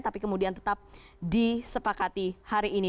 tapi kemudian tetap disepakati hari ini